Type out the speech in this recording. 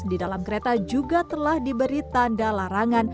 di dalam kereta juga telah diberi tanda larangan